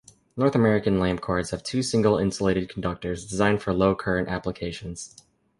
North American lamp cords have two single-insulated conductors designed for low-current applications.